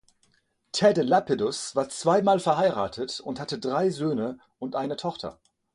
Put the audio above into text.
Ted Lapidus war zweimal verheiratet und hatte drei Söhne und eine Tochter.